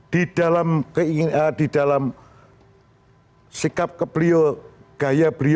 di dalam sikap beliau gaya beliau memimpin kepresiden ini dari awal sampai akhirnya tidak berubah